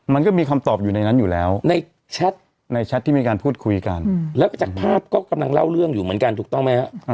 มันก็มีคำตอบอยู่ในนั้นอยู่แล้วในแชทในแชทที่มีการพูดคุยกันแล้วก็จากภาพก็กำลังเล่าเรื่องอยู่เหมือนกันถูกต้องไหมฮะ